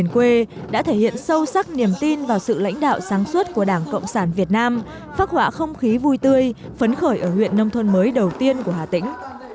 quê đã thể hiện sâu sắc niềm tin vào sự lãnh đạo sáng suốt của đảng cộng sản việt nam phát hỏa không khí vui tươi phấn khởi ở huyện nông thôn mới đầu tiên của hà tĩnh